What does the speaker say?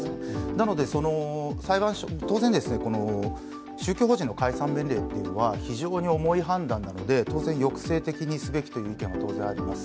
なので当然、宗教法人の解散命令というのは非常に思い判断なので当然、抑制的にすべきという意見はあります。